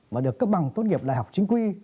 mà được cấp bằng tốt nghiệp đại học chính quy